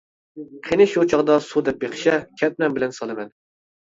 قېنى شۇ چاغدا سۇ دەپ بېقىشە، كەتمەن بىلەن سالىمەن.